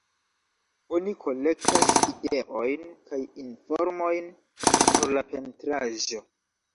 Oni kolektas ideojn kaj informojn por la pentraĵo.